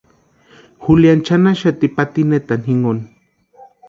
Juliani chʼanaxati patinetani jinkoni.